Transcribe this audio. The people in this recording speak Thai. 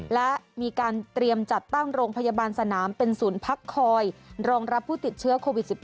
และมีการเตรียมจัดตั้งโรงพยาบาลสนามเป็นศูนย์พักคอยรองรับผู้ติดเชื้อโควิด๑๙